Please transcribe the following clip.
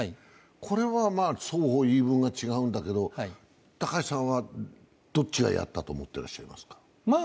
これは双方言い分が違うんだけども高橋さんは、どっちがやったと思ってらっしゃいますか？